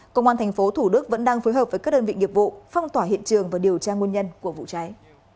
công an tp thủ đức vẫn đang phối hợp với các đơn vị nghiệp vụ phong tỏa hiện trường và điều tra nguồn nhân của vụ cháy